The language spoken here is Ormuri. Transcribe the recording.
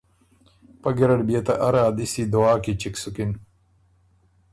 پۀ ګیرډ بيې ته اره ا دِستی دعا کی چِګ سُکِن،